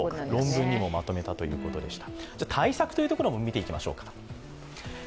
論文にもまとめたということでした。